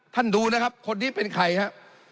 ท่านดูนะครับคนนี้เป็นใครครับ